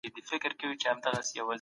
زموږ دین هم په رښتینولۍ ټینګار کوي